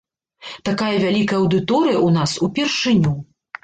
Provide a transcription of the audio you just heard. Такая вялікая аўдыторыя ў нас упершыню.